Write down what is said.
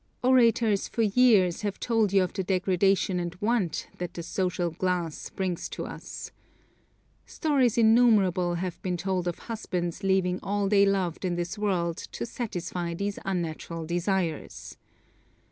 Orators for years have told you of the degradation and want that the "social glass" brings us to. Stories innumerable have been told of husbands leaving all they loved in this world to satisfy these unnatural desires.